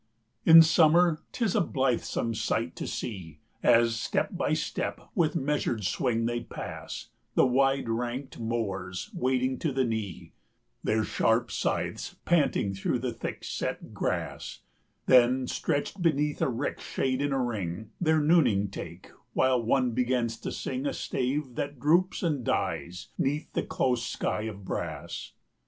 In Summer 'tis a blithesome sight to see, 120 As, step by step, with measured swing, they pass, The wide ranked mowers wading to the knee, Their sharp scythes panting through the thick set grass; Then, stretched beneath a rick's shade in a ring, Their nooning take, while one begins to sing 125 A stave that droops and dies 'neath the close sky of brass.